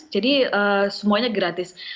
jadi semuanya gratis